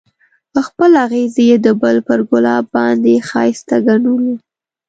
خپل اغزی یې د بل پر ګلاب باندې ښایسته ګڼلو.